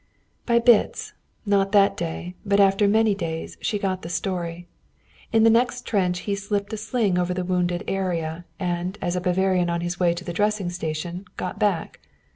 By bits, not that day, but after many days, she got the story. In the next trench he slipped a sling over the wounded arm and, as a Bavarian on his way to the dressing station, got back.